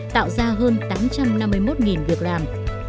tạo ra hơn tám trăm năm mươi một việc làm